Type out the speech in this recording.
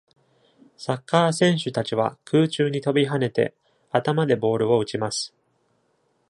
サッカー選手たちは空中に飛び跳ねて、頭でボールを打ちます